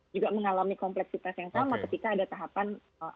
juga mengalami kompleksitas yang sama ketika ada tahapan